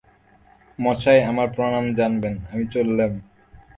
মশায়, আমার প্রণাম জানবেন, আমি চললেম।